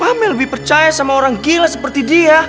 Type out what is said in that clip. mami mami lebih percaya sama orang gila seperti dia